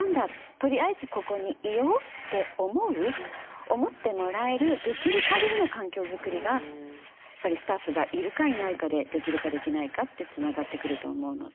とりあえずここにいよう」って思う思ってもらえるできる限りの環境づくりがやっぱりスタッフがいるかいないかでできるかできないかってつながってくると思うので。